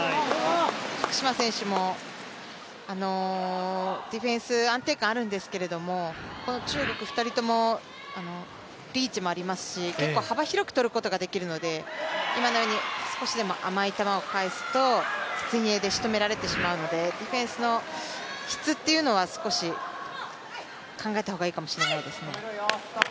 福島選手もディフェンス安定感あるんですけど中国２人ともリーチもありますし結構幅広く取ることができるので今のように少しでも甘い球を返すと前衛でしとめられてしまうのでディフェンスの質は少し考えた方がいいかもしれないですね。